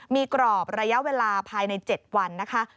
มีกรอบระยะเวลาภายใน๗วันนะคะ